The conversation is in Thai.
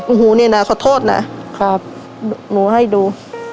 โอ้โหนี่นะขอโทษนะครับหนูให้ดู